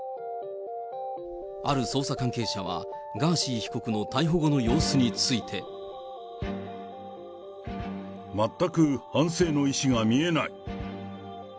ある捜査関係者は、ガーシー被告の逮捕後の様子について。全く反省の意思が見えない。